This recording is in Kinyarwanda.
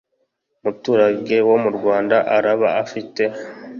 muturage wo mu rwanda araba afite